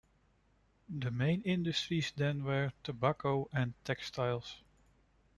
The main industries then were tobacco and textiles.